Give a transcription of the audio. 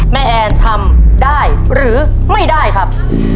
แอนทำได้หรือไม่ได้ครับ